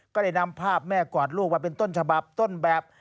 ก็ได้นำภาพแม่กวาดลูกมาเป็นต้นฉบับต้นแบบ